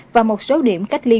và một số điểm cách ly